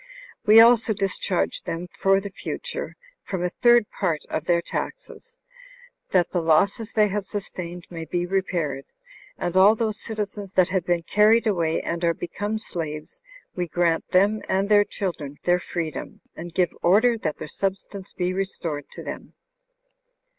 We also discharge them for the future from a third part of their taxes, that the losses they have sustained may be repaired. And all those citizens that have been carried away, and are become slaves, we grant them and their children their freedom, and give order that their substance be restored to them."